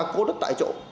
cố đất tại chỗ